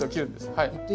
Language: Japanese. はい。